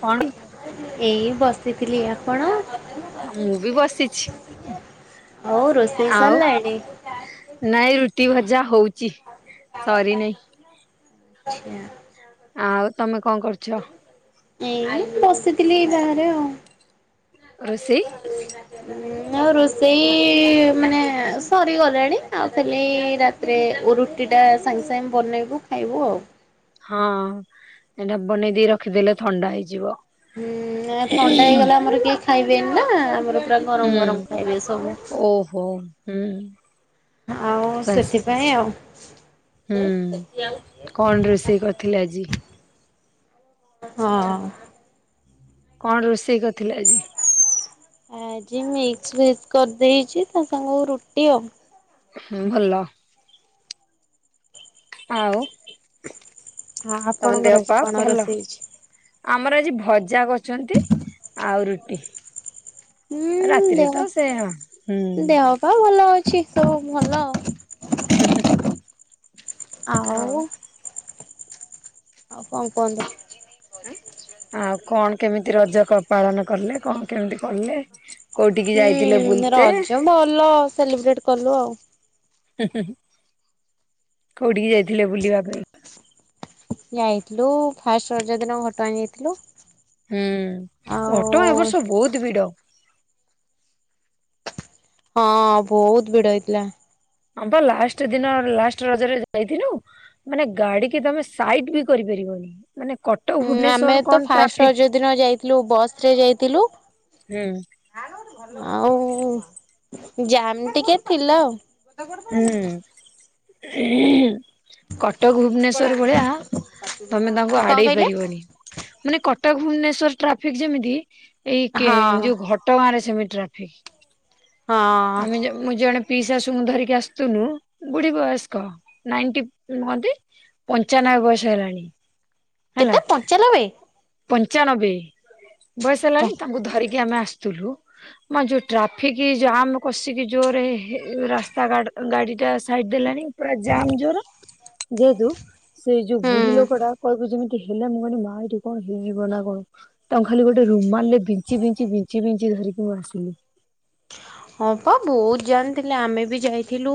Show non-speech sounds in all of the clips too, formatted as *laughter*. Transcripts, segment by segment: କ *unintelligible* ଏଇ ବସିଥିଲି। ଆପଣ? ମୁଁ ବି ବସିଛି ଆଉ ରୋଷେଇ ଆଉ ସରିଲାଣି? ନାଇଁ ରୁଟି ଭଜା ହଉଛି, ସରିନାଇଁ। *unintelligible* ଆଉ ତମେ କଣ କରୁଛ? ଏଇ ବସିଥିଲି ଏଇ ବାହାରେ ଆଉ। ରୋଷେଇ? *inaudible* ଆଉ ରୋଷେଇ ମାନେ ସରିଗଲାଣି ଆଉ ଖାଲି ରା ତିରେ ରୁଟିଟା ସାଙ୍ଗେ ସାଙ୍ଗେ ବନେଇବୁ ଖାଇବୁ ଆଉ। ହଁ ଏଇଟା ବନେଇ ଦେଇ ରଖିଦେଲେ ଥଣ୍ଡା ହେଇଯିବ। ହୁଁ ଆ ଥଣ୍ଡା ହେଇଗଲେ ଆମର କିଏ ଖାଇବେନି ନା ଆମର ପୁରା ହୁଁ ଗରମ ଗରମ ଖାଇବେ ସବୁ। ଓହୋ। ହୁଁ। ଆଉ ବାସ୍ ସେଥିପାଇଁ ଆଉ। ହୁଁ କଣ ରୋଷେଇ କରିଥିଲେ ଆଜି? ହଁ। କଣ ରୋଷେଇ କରିଥିଲେ ଆଜି? ଆଜି ମିକ୍ସ ଭେଜ କରିଦେଇଛି ତା ସାଙ୍ଗକୁ ରୁଟି ଆଉ। ହୁଁ ଭଲ। ଆଉ। ହଁ ତମ ଦେହ ଆପଣଙ୍କର ପା ଆଜି କଣ ଭଲ? ରୋଷେଇ ହେଇଛି? ଆମର ଆଜି ଭଜା କରିଛନ୍ତି ଆଉ ରୁଟି। ହୁଁ ରାତିରେ ତ ସେ ହୁଁ। ତ ଭଲ ଅଛି ସବୁ ଭଲ। *unintelligible* ଆଉ ଆଉ କଣ କୁହନ୍ତୁ ଆଉ କଣ କେମିତି ରଜ ପାଳନ କଲେ କଣ କେମିତି କଲେ? କୋଉଠିକି ଯାଇଥିଲେ ହୁଁ ବୁଲତେ ରଜ ଭଲ ସେଲିବ୍ରେଟ କଲୁ ଆଉ *unintelligible* କୋଉଠିକି ଯାଇଥିଲେ ବୁଲିବା ପାଇଁ? ଯାଇଥିଲୁ ଫାଷ୍ଟ ରଜ ଦିନ ଘଟଣା ଯାଇଥିଲୁ ହୁଁ ଆଉ ଘଟଗାଁ ଏ ବର୍ଷ ବହୁତ ଭିଡ ହଁ ବହୁତ ଭିଡ ହେଇଥିଲା ହଁପ ଲାଷ୍ଟ ଦିନ ଲାଷ୍ଟ ରଜରେ ଯାଇଥିଲୁ ମାନେ ଗାଡିିକ ତମେ ସାଇଟ ବି କରିପାରିବନି ମାନେ କ ଉଁ ଆମେ ତ ଫାଷ୍ଟଯ୍ୟ ଦିନ ଯାଇଥିଲୁ ବସ ରେ ଯାଇଥିଲୁ ହୁଁ ଆଉ ଜାମ ଟିକେ ଥିଲା ଆଉ ହୁଁ କଟକ ଭୁବନେଶ୍ଵର ଭଳିଆ ତମେ ତାଙ୍କୁ କଣ ଆଡେଇ କହିଲେ ପାରିବନି ମାନେ କଟକ ଭୁବନେଶ୍ଵର ଟ୍ରାଫିକ ଯେମିତି ଏଇ ହଁ ଯୋଉ ଘ ଟ ଗାଁ ରେ ସେମିତି ଟ୍ରାଫିକ୍ ହଁ ଆମେ ମୁଁ ଜଣେ ପିଇ ଶାଶୁଙ୍କୁ ଧରିକି ଆସୁନୁ ବୁଢୀ ବୟସ୍କ ନାଇନଟି ମୁହନ୍ତି ପଞ୍ଚାନବେ ବର୍ଷ ହେଲାଣି ହେଲା କେତେ ପଞ୍ଚା ନବେ? ପଞ୍ଚାନବେ ବୟସ ହେଲାଣି ତାଙ୍କୁ ଧରି ଆମେ ଆସଥିଲୁ ଯଉ ଟ୍ରାଫିକ ଯାମ କଷିକି ଜୋରରେ ରାସ୍ତା ଗାଡି ଟା ସାଇଡ ଦେଲାଣି। ପୁରା ଜାମ ଜୋର ଯେହେତୁ ସେ ଯୋଉ ବୁଢୀ ହୁଁ ଲୋକ ଟା କହିବୁ ଯେମିତି ହେଲେ ମୁଁ କହିଲି ମା ଏଇଠି କଣ ହେଇଯିବ ନା କଣ। ତାଙ୍କୁ ଖାଲି ଗୋଟେ ରୁମ୍ ମାରିଲେ ବିଞ୍ଚି ବିଞ୍ଚି ବିଞ୍ଚି ବିଞ୍ଚି ଧରିକି ମୁଁ ଆସିଲି। ହଁ ପା ବହୁତ *unintelligible* ଆମେ ବି ଯାଇଥିଲୁ।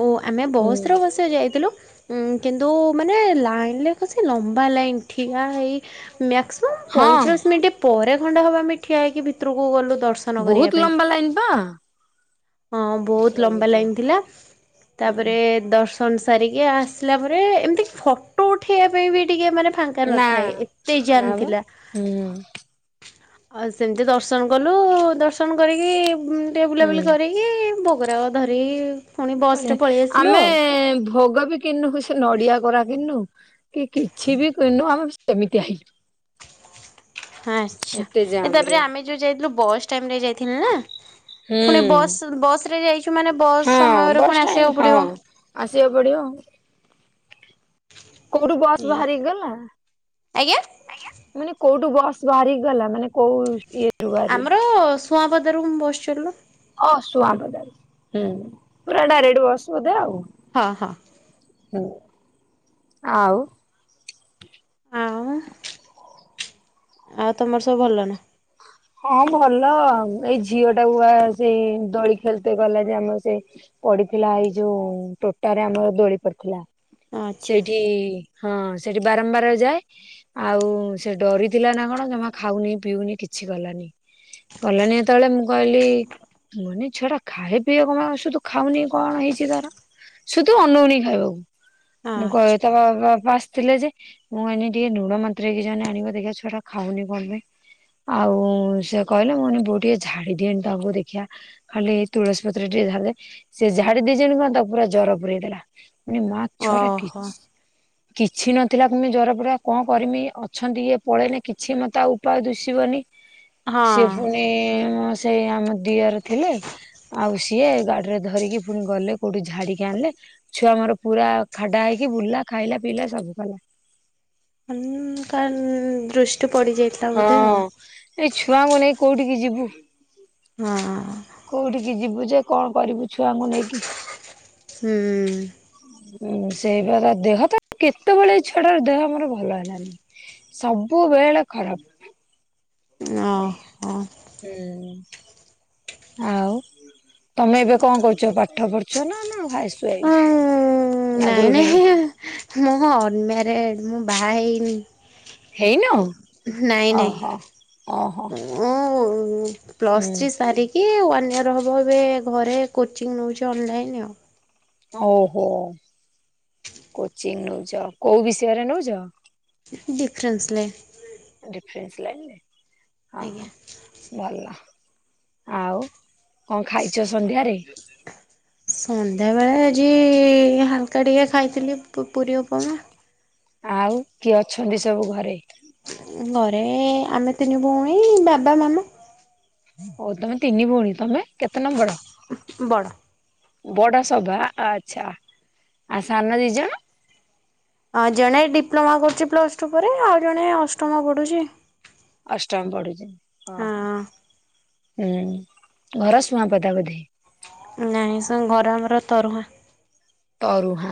ଓ ଆମେ ହୁଁ ବସରେ ବସା ଯାଇଥିଲୁ। ଉ କିନ୍ତୁ ମାନେ ଲାଇନ୍ କସି ଲମ୍ବା ଲାଇନ୍ ଠିଆ ହେଇ ମ୍ୟାକ୍ସୟମ ହଁ ପଇଁଚାଳିଶ ମିନିଟ୍ ପରେ ଖଣ୍ଡେ ହବ ଠିଆ ହେଇକି ଭିତରକୁ ଗଲୁ ଦର୍ଶନ କରିବା ବହୁତ ପାଇଁ। ଲମ୍ବା ଲାଇନ ବା। ହଁ ବହୁତ ଲମ୍ବା ଲାଇନ ଥିଲା ତାପରେ ହୁଁ ଦର୍ଶନ। କାମ ସାରିକି ଆସିଲା ପରେ ଏମିତି ଫଟୋ ଉଠେଇବା ପାଇଁ ବି ଟିକେ ମାନେ ଫାଙ୍କା ନା ନଥାଏ ଏତେ ନା ଜାମ୍ ବା ଥିଲା। ହୁଁ ଆଉ ସେମିତି ଦର୍ଶନ କଲୁ ଦର୍ଶନ କରିକି ଟେକେ ହୁଁ। ବୁଲାବୁଲି କରିକି ଏ ଭୋଗରାଗ ଧରିକି ପୁଣି ବସରେ ପଳେଇ *unintelligible* ଆସିଲୁ ଆମେ ଆଉ। ଭୋଗ ବି କିଣିନୁ ସେ ନଡିଆ କୋରା କିଣିନୁ। କିଛି ବି କିଣିନୁ ଆମେ ସେମିତି ଆଇଲୁ। ହଁ ଆଚ୍ଛା ଏତେ ଜାମ ରେ। ତାପରେ ଆମେ ଯୋଉ ଯାଇଥିଲୁ ବସ୍ ଟାଇମରେ ଯାଇଥିଲୁ ନା ହୁଁ ପୁଣି ବସ୍ ବସ୍ ରେ ଯାଇଛୁ ମାନେ ବସ୍ ହଁ ସମୟରେ ବସ୍ ପୁଣି ଟାଇମ ଆସିବାକୁ ହଁ। ପଡିବ। ଆସିବାକୁ ପଡିବ କୋଉଠୁ ବସ୍ ବାହାରିକି ଗଲା। ଆଜ୍ଞା ଆଜ୍ଞା ମାନେ କୋଉଠୁ ବସ୍ ବାହାରିକି ଗଲା ମାନେ କୋଉ ଇଏ ଆମର ସୁଆଁପଦାରୁ ମୁଁ ବସ୍ ଚଢିଲୁ। ହଁ ସୁଆଁପଦା ପୁରା ଡାଇରେକ୍ଟ ବସ୍ ବୋଧେ ଆଉ। ହଁ ହଁ। ହଁ ଆଉ। ହଁ ଆଉ ତମର ସବୁ ଭଲ ନା। ହଁ ଭଲ ଏଇ ଝିଅ ଟାକୁୁଆ ସେଇ ଦଳି ଖେଳିତେ ଗଲା ଯେ ଆମ ସେ ପଡିଥିଲା ଏଇ ଯୋଉ ଟୋଟାରେ ଆମର ଦୋଳି ପଡିଥିଲା ଆଚ୍ଛା ସେଇଠି ହଁ ସେଠି ବାରମ୍ବାର ଯାଏ ଆଉ ସେ ଡରିଥିଲା ନା କଣ ଜମା ଖାଉନି ପିଉନି କିଛି କିଛି ଗଲାନି କଲାନି ଯେତେବେଳେ ମୁଁ କହିଲି ମନେ ଛୁଆଟା ଖାଏ ପିଇ ଔଷଧ ଖାଉନି କଣ ହେଇଛି ତାର। ସୁଧୁ ଅନଉଣ ଖାଇବାକୁ ମୁଁ ଆଚ୍ଛା କହି ତା ବାପା ଆସିଥିଲେ ଯେ ମୁଁ ଏନି ଟିକେ ଲୁଣ ମନ୍ତୁରେଇ ଜାନି ଆଣିବ ଦେଖିବା ଛୁଆଟା ଖାଉନି କଣ ପାଇଁ। ଆଉ ସେ କହିଲେ ମୁଁନି ବୋଉ ଟିକେ ଝାଡି ଦିଏନି ତାକୁ ଦେଖିବା। ଖାଲି ତୁଳସୀ ପତ୍ର ଟେ ଝାଡିଦେଲି। ସେ ଝାଡି ଦେଇଛନ୍ତି ତାକୁ ପୁରା ଜର ପୁରେଇଦେଲା। ଓହୋ *unintelligible* କିଛି ନଥିଲା କି ମୁଁ ଜ୍ୱରପୁରା କଣ କରିବି ଅଛନ୍ତି ଇଏ ପଳେଇନି କିଛି ମୋତେ ଆଉ ଉପାୟ ଦୁଶିବନି। ହଁ ସିଏ ପୁଣି ସେଇ ଆମ ଦିଅର ଥିଲେ। ଆଉ ସିଏ ଗାଡିରେ ଧରିକି ପୁଣି ଗଲେ କୋଉଠି ଝାଡିକି ଆଣିଲେ। ଛୁଆ ମୋର ପୁରା ଖାଡା ହେଇକି ବୁଲା ଖାଇଲା ପିଇଲା ସବୁ କଲା। କାହାର ଦୃଷ୍ଟି ପଡିଯାଇଥିବ ହଁ ଏଇ ଛୁଆଙ୍କୁ ନେଇ କୋଉଠିକୁ ଯିବୁ। ହଁ। କୋଉଠିକି ଯିବୁ ଯେ କଣ କରିବୁ ଛୁଆଙ୍କୁ ନେଇକି। ହୁଁ। ହଁ ସେଇପ ଦେହ ତ କେତେବେଳେ ଛୁଆଡାର ଦେହ ଆମର ଭଲ ହେଲାନି। ସବୁବେଳେ ଖରାପ। ଓ ହୁଏ। ହଁ। ହୁଁ ଆଉ ତମେ ଏବେ କଣ କରୁଛ ପାଠ ପଢୁଛ ନା ନା ଭାଇସ ଉଁ ୱାଇଫ? ନା ଗୃହିଣୀ? ହଁ ଅନମାରେଡ ମୁଁ ବାହା ହେଇନି। ହେଇନୁଁ ଅହୋ ଓହୋ। ମୁ ହୁଁ। ପ୍ଲସଥ୍ରୀ ସାରି କିଏ ୱାନ୍ ଇୟର୍ ହେବ ଏବେ ଘରେ କୋଚିଂ ନେଉଛି ଅନଲାଇନ୍ ଆଉ। ଓହୋ କୋଚିଂ ନଉଛ କୋଉ ବିଷୟରେ ନଉଛ? ଡିଫ୍ରେନ୍ସଲେ ଡିଫରେସ ଲାଇନରେ ଅହଁ ଆଜ୍ଞା। ହଁ। ଭଲ ଆଉ କଣ ଖାଇଛ ସନ୍ଧ୍ୟାରେ? ସନ୍ଧ୍ୟା ବେଳେ ଆଜି ହାଲକା ଟିକେ ଖାଇଥିଲି ପୁରୀ ଉପମା। ଆଉ କିଏ ଅଛନ୍ତି ସବୁ ଘରେ? ଘରେ ଆମେ ତିନି ଭଉଣୀ ବାବା ମାମା ହଉ ତମେ ତିନି ଭଉଣୀ ତମେ କେତେ ନମ୍ବର? ବଡ଼ ବଡ ସଭା ଆଃ ଆଚ୍ଛା ଆ ସାନ ଦିଜଣ? ହଁ ଜଣେ ଡିପ୍ଲୋମା କରୁଛି ପ୍ଲସ ଟୁ ପରେ ଆଉ ଜଣେ ଅଷ୍ଟମ ପଢୁଛି। ଅଷ୍ଟମ ପଢୁଛନ୍ତି ହଁ। ଓହୋ ହୁଁ ଘର ଶୁଆଁପଦା ବୋଧେ। ନାହିଁ ସାଙ୍ଗ ଘର ଆମର ତରୁଆ ତରୁଆଃ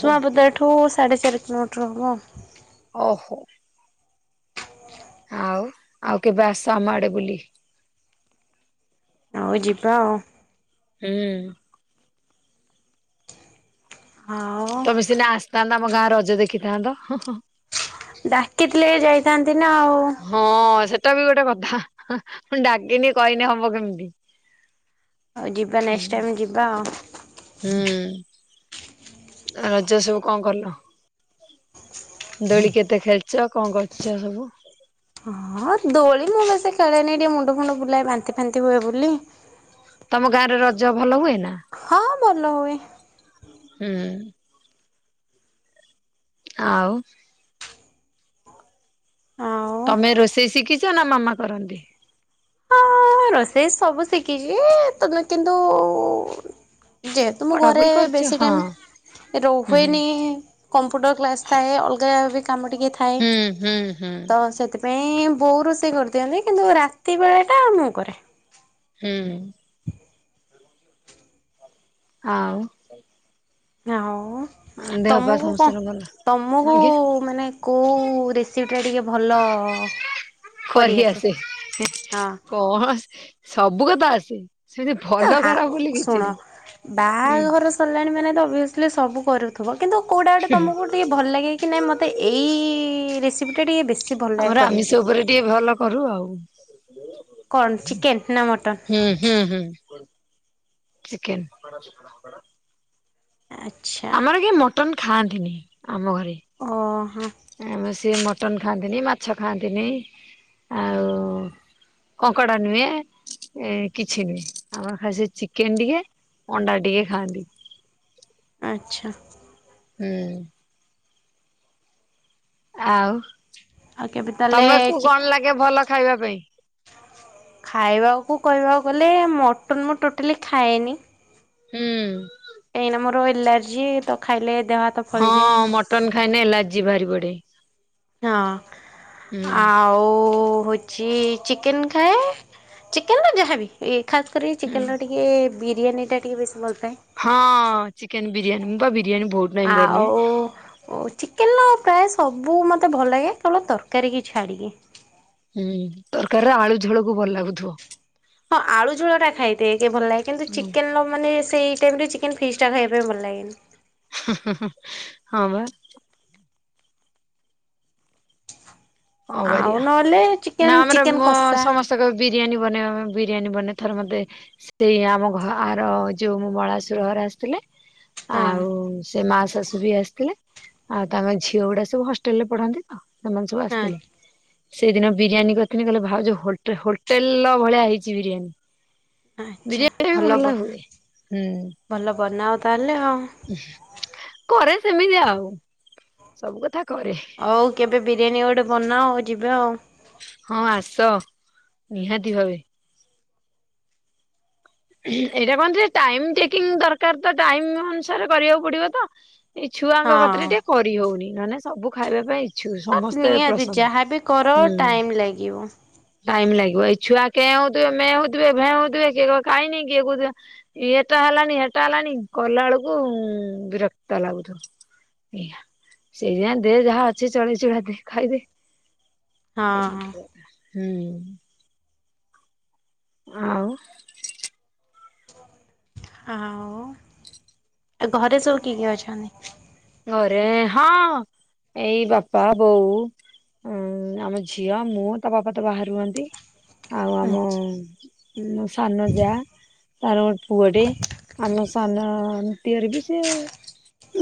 ସୁଆଁପଦା ଏଠୁ ସାଢେ ଚାରି କିଲୋମିଟର ହବ। ଓହୋ। ଆଉ ଆଉ କେବେ ଆସ ଆମ ଆଡେ ବୁଲି? ଆଉ ଯିବା ଆଉ। ହୁଁ। ହଁ। ତମେ ସିନା ଆସିଥାନ୍ତା ଆମ ଗାଁ ରଜ ଦେଖିଥାନ୍ତ ହଁ ହଁ। ଡାକିଥିଲେ ଯାଇଥାନ୍ତି ନା ଆଉ। ହଁ ସେଟା ବି ଗୋଟେ କଥା ମୁଁ ଡାକିନି କହିନି ହବ କେମିତି? ହଉ ଯିବା ନେକ୍ସଟ ଟାଇମ ଯିବା ହୁଁ ଆଉ। ରଜ ସବୁ କଣ କଲ? ଦୋଳି କେତେ ଖେଳିଛ କଣ କରୁଛ ସବୁ? ହଁ ଦୋଳି ମୁଁ ବସ ଖେଳେନି ଟିକେ ମୁଣ୍ଡ ଫୁଣ୍ଡ ବୁଲାଏ ବାନ୍ତି ଫାନ୍ତି ହୁଏ ବୋଲି। ତମ ଗାଁରେ ରଜ ଭଲ ହୁଏ ନା? ହଁ ଭଲ ହୁଏ। ହୁଁ‌। ଆଉ ଆଉ ତମେ ରୋଷେଇ ଶିଖି ଚନା ମାମା କରନ୍ତି? ହଁ ରୋଷେଇ ସବୁ ଶିଖିଛି *unintelligible* କିନ୍ତୁ ଯେହେତୁ ମୁଁ ଘରେ ପଢାପଢି କରୁଛ ବେଶୀ ହଁ ଟାଇମ ହୁଁ। ରୁହେନି କମ୍ପ୍ୟୁଟର କ୍ଲାସ୍ ଥାଏ ଅଲଗା ବି କାମ ଟିକେ ଥାଏ ହୁଁ ହୁଁ ହୁଁ ତ ସେଥି ପାଇଁ, ବୋଉ ରୋଷେଇ କରିଦିଅନ୍ତି କିନ୍ତୁ ରାତି ବେଳେ ଟା ମୁଁ କରେ। ହୁଁ। ଆଉ। *unintelligible* ଦେହପାହ ତମକୁ କଣ ସମସ୍ତିଙ୍କର ଭଲ? ତମକୁ ଆଜ୍ଞା ମାନେ କୋଉ ରେସିପିଟା ଟିକେ ଭଲ କରି କରିଆସେ ଆସେ? ହଁ କଣ ସବୁ କଥା ଆସେ। ସେମିତି ଭ ହାଁ ଶୁଣ ହୁଁ ବାହାଘର ସରିଲାଣି ମାନେ ଓଭିଅସଲି ସବୁ କରୁଥିବ। କିନ୍ତୁ କୋଉଟା ଗୋଟେ ତମକୁ ଟିକେ ଭଲ ଲାଗେ କି ନାଇଁ ମୋତେ ଏଇ ରେସିପିଟା ଟିକେ ବେଶୀ ଭଲ ଲାଗେ ଆମର କରିବା ପାଇଁ। ଆମିଷ ଉପରେ ଟିକେ ଭଲ କରୁ ଆଉ। କଣ ଚିକେନ୍ ନା ମଟନ୍? ହୁଁ, ହୁଁ, ହୁଁ ଚିକେନ୍। ଆଚ୍ଛା ଆମର କିଏ ମଟନ୍ ଖାଆନ୍ତିନି, ଆମ ଘରେ। ଓହୋ। ଆମେ ସିଏ ମଟନ ଖାଆନ୍ତିନି ମାଛ ଖାଆନ୍ତିନି। ଆଉ କଙ୍କଡା ନୁହେଁ, ଏ କିଛି ନୁହେଁ ଆମର ଖାଲି ସେ ଚିକେନ୍ ଟିକେ। ଅଣ୍ଡା ଟିକେ ଖାଆନ୍ତି। ଆଚ୍ଛା। ହୁଁ। ଆଉ ଆଉ କେବେ ତାହେଲେ ତମକୁ ଚି କଣ ଲାଗେ ଭଲ ଖାଇବା ପାଇଁ? ଖାଇବାକୁ କହିବାକୁ ଗଲେ ମଟନ୍ ମୁଁ ଟୋଟାଲି ଖାଏନି। ହୁଁ। କାହିଁକିନା ମୋର ଏଲାର୍ଜି ତ ଖାଇଲେ ଦେହହାତ ହଁ, ମଟନ ଖାଇଲେ ଏଲାର୍ଜି ବାହାରି ପଡେ। ହଁ ହୁଁ ଆଉ ହଉ ହଉଛି ଚିକେନ୍ ଖାଏ, ଚିକେନ୍ ର ଯାହାବି ଖାସ୍ କରି ହୁଁ। ଚିକେନ୍ ର ଟିକେ ବିରିୟାନୀଟା ଟିକେ ବେଶୀ ଭଲପାଏ। ହଁ ଚିକେନ୍ ବିରିୟାନୀ ମୁଁ ବା ବିରିୟାନୀ ବହୁତ ଟାଇମ ବନୁଏ। ଆଉ। ଚିକେନ୍ ର ପ୍ରାୟ ସବୁ ମୋତେ ଭଲ ଲାଗେ, କେବଳ ତରକାରୀ କି ଛାଡ଼ିକି। ହୁଁ, ତରକାରୀର ଆଳୁ ଝୋଳକୁ ଭଲ ଲାଗୁଥିବ। ହଁ, ଆଳୁ ଝୋଳ ଟା ଖାଇଥାଏ ଟିକେ ଭଲ ଲାଗେ କିନ୍ତୁ ଚିକେନ୍ ର ମାନେ ସେଇ ଟାଇମରେ ଚିକ ଚିକେନ୍ ଫିସ୍ ଟା ଖାଇବା ପାଇଁ ଭଲ ଲାଗେନି। ହଁ ବା। କଣ ଆଉ କରିଆ, ନହେଲେ ଚିକେନ ନା ଆମର ଚିକେନ *unintelligible* କଷା ସମସ୍ କହିବେ ବିରିୟାନୀ ବନେଇବା ପାଇଁ ବିରିୟାନୀ ବନେଇଲି ଥରେ ମତେ ସେଇ ଆମ ଘ ଆର ଯୋଉ ମଳାସୁର ଘର ଆସିଥିଲେ। ହଁ। ଆଉ ସେ ମାଉସୀ ଶାଶୁ ବି ଆସିଥିଲେ, ଆଉ ତାଙ୍କ ଝିଅ ଗୁଡା ସବୁ ହଷ୍ଟେଲ ରେ ପଢନ୍ତି ତ ସେମାନେ ସବୁ ଆସି ଆ ଥିଲେ। ସେଇଦିନ ବିରିୟାନୀ କରିଥିଲି କହିଲେ ଭାଉଜ ହୋଟେ ହୋଟେଲ୍ ର ଭଳିଆ ହେଇଛି ବିରିୟାନୀ। ଆଚ୍ଛା ବିରିୟାନୀ ଟା ବି ବ ଭଲ ହୁଏ, ହୁଁ। ଭଲ ବନାଅ ତାହେଲେ ଆଉ। କରେ ସେମିତି ଆଉ। ସବୁ କଥା କରେ। ହଉ କେବେ ବିରିୟାନୀ ଗୋଟେ ବନାଅ ଆଉ ଯିବେ ଆଉ। ହଁ ଆସ ନିହାତି ଭାବେ। ଏଇଟା କଣ ଯେ ଟାଇମ୍ ଟେକିଂ ଦରକାର୍ ତ ଟାଇମ୍ ଅନୁସାରେ କରିବାକୁ ପଡିବ ତ ଏଇ ଛୁଆଙ୍କ କତିରେ ଟିକେ କରିହଉନି, ନହେଲେ ନାଇଁ ସବୁ ଖାଇବା ପାଇଁ ଇ *unintelligible* ହଁ ହଁ ସମସ୍ତେ ନିହାତି ଯାହାବି କର ଟାଇମ *unintelligible* ଲାଗିବ। ଟାଇମ୍ ଲାଗିବ, ଏଇ ଛୁଆ କେଁ ହଉଥିବେ ମେଁ ହଉଥିବେ ଭେଁ ହଉଥିବେ କିଏ କହୁଥିବ ଖାଇନି କିଏ କହୁଥିବ ଇଏଟା ହେଲାନି *unintelligible* ହେଲାନି କଲା ବେଳୁକୁ ବିରକ୍ତ ଲାଗୁଥିବ। *unintelligible* ଦେ ଯାହା ଅଛି ଚଳେଇ ଚୁଳା ଦେ ଖାଇଦେ। ହଁ ହୁଁ। ଆଉ ଆଉ-ଆଉ ଘରେ ସବୁ କିଏ-କିଏ ଅଛନ୍ତି? ଘରେ ହଁ ଏଇ ବାପା ବୋଉ ଉଁ ଆମ ଝିଅ ମୁଁ ତା ବାପା ତ ବାହାରେ ରୁହନ୍ତି। ଆଉ ଆମ ସାନ ଜା ତାର *unintelligible* ପୁଅଟେ। ଆମ ସାନ ଦିଅର ବି ସିଏ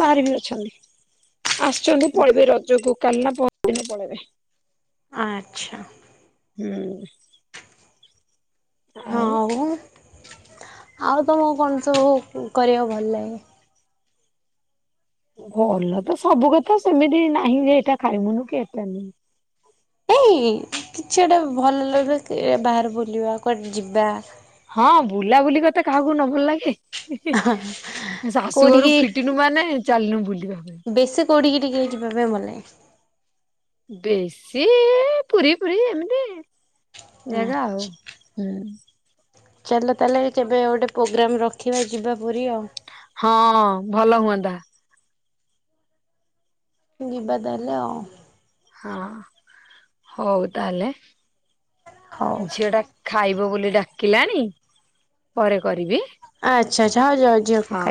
ବାହାରେ ବି ଅ *unintelligible* ଆସିଚନ୍ତି ପଳେଇବେ ରଜକୁ କାଲି ନା ପରଦିନ ପଳେଇବେ। ଆଚ୍ଛା। ହୁଁ। ଆଉ ଆଉ-ଆଉ ତମକୁ କଣ ସବୁ କରିଆକୁ ଭଲ୍ ଲାଗେ? ଭଲ ତ ସବୁ କଥା ସେମିତି ନାହିଁ ଯେ ଏଇଟା *unintelligible* କି ଏଟା *unintelligible* *unintelligible* କିଛି *unintelligible* ଭଲ *unintelligible* ବାହାରେ ବୁଲିବା କୁଆଡେ ଯିବା ହଁ ବୁଲାବୁଲି କଥା କାହାକୁ ନ ଭଲ୍ ଲାଗେ। ହିଁ ହିଁ ଶାଶୁଘରୁ କୋଉଠିକି ଫିଟିନୁ ମାନେ *unintelligible* ବୁଲିବା ପାଇଁ। ବେଶୀ କୋଉଠିକି ଟିକେ ଯିବା ପାଇଁ ଭଲ୍ ଲାଗେ? ବେଶୀ ଏ ପୁରୀ-ପୁରୀ ଏମିତି ଜାଗା ଆଉ। ଆଚ୍ଛା। ହୁଁ। ଚାଲ ତାହେଲେ କେବେ ଗୋଟେ ପ୍ରୋଗ୍ରାମ୍ ରଖିବା ଯିବା ପୁରୀ ଆଉ। ହଁ, ଭଲ ହୁଅନ୍ତା। ଯିବା ତାହଲେ ଆଉ। ହଁ ହଉ ତାହେଲେ ହଉ ଝିଅଟା ଖାଇବ ବୋଲି ଡାକିଲାଣି ପରେ କରିବି। ଆଚ୍ଛା-ଆଚ୍ଛା *unintelligible* ହଁ।